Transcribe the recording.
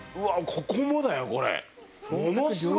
ここもだよこれ。